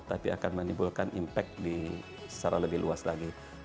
tapi akan menimbulkan impact secara lebih luas lagi